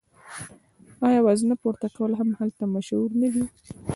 آیا وزنه پورته کول هم هلته مشهور نه دي؟